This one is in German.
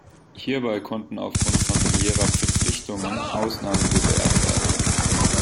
Hierbei konnten aufgrund familiärer Verpflichtungen Ausnahmen gewährt werden.